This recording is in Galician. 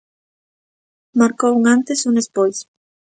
Marcou un antes e un despois.